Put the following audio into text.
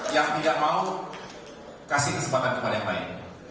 yang tidak mau kasih kesempatan kepada yang lain